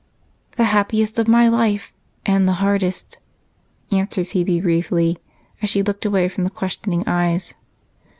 "The happiest of my life, and the hardest," answered Phebe briefly as she looked away from the questioning eyes.